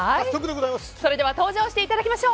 それでは登場していただきましょう。